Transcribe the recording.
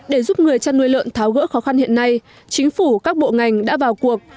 để giúp người chăn nuôi lợn tháo gỡ khó khăn hiện nay chính phủ các bộ ngành đã vào cuộc